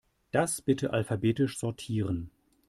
Das bitte alphabetisch sortieren.